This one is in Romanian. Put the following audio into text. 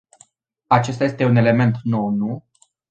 Acesta este un element nou, nu?